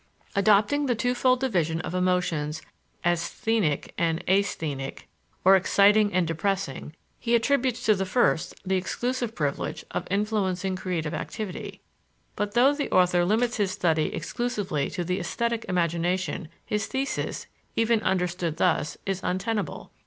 Adopting the twofold division of emotions as sthenic and asthenic, or exciting and depressing, he attributes to the first the exclusive privilege of influencing creative activity; but though the author limits his study exclusively to the esthetic imagination, his thesis, even understood thus, is untenable.